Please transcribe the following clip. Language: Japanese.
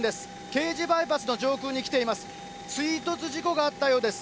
京滋バイパスの上空に来ています。